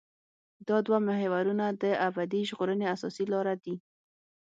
دا دوه محورونه د ابدي ژغورنې اساسي لاره دي.